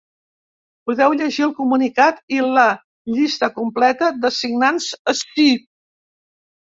Podeu llegir el comunicat i la llista completa de signants ací.